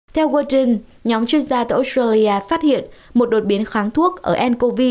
theo watchen nhóm chuyên gia tại australia phát hiện một đột biến kháng thuốc ở ncov